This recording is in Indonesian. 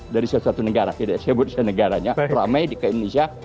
dari suatu suatu negara tidak sebut sebuah negaranya teramai ke indonesia